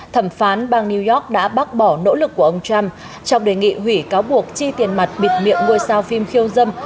thẩm phán bang new york đã bác bỏ nỗ lực của ông trump trong đề nghị hủy cáo buộc chi tiền mặt bịt miệng ngôi sao phim khiêu dâm